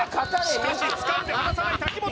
しかしつかんで離さない瀧本